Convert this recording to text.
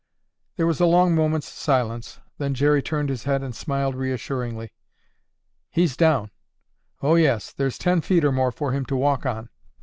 There was a long moment's silence, then Jerry turned his head and smiled reassuringly. "He's down! Oh, yes, there's ten feet or more for him to walk on.